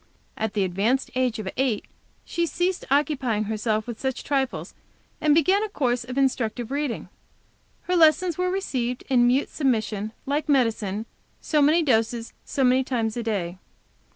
At the advanced age of eight, she ceased occupying herself with such trifles, and began a course of instructive reading. Her lessons were received in mute submission, like medicine; so many doses, so many times a day.